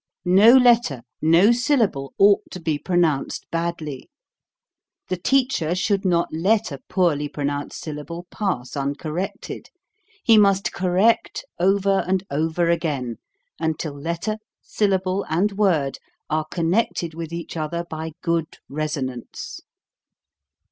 No letter, no syllable ought to be pronounced badly. The teacher should not let a poorly pronounced syllable pass uncorrected. He must correct over and over again until letter, syllable, and word are connected with each other by good resonance.